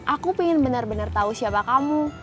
aku pengen bener bener tahu siapa kamu